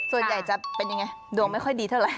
ส่วนใหญ่จะเป็นยังไงดวงไม่ค่อยดีเท่าไห